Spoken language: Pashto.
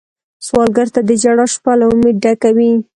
سوالګر ته د ژړا شپه له امید ډکه وي